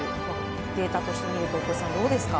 データとして見ると大越さん、どうですか？